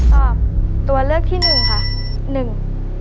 ตอบตัวเลือกที่หนึ่งค่ะหนึ่ง